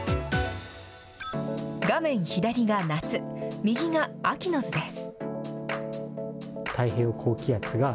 画面左が夏、右が秋の図です。